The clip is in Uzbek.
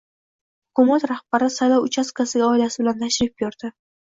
Hukumat rahbari saylov uchastkasiga oilasi bilan tashrif buyurdi